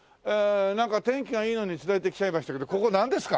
なんか天気がいいのに釣られて来ちゃいましたけどここなんですか？